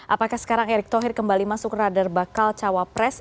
apakah sekarang erick thohir kembali masuk radar bakal cawapres